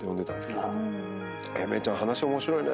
「英明ちゃん話面白いね」